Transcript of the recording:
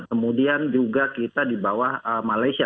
kemudian juga kita di bawah malaysia